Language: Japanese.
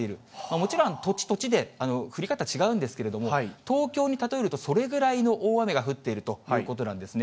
もちろん、土地、土地で降り方違うんですけれども、東京に例えると、そのぐらいの大雨が降っているということなんですね。